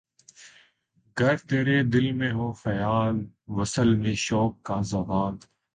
گر تیرے دل میں ہو خیال‘ وصل میں شوق کا زوال؟